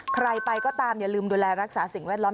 ใครไปก็ตามอย่าลืมดูแลรักษาสิ่งแวดล้อม